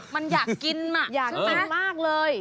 มันอยากกินมากใช่ไหมอยากกินมากเลย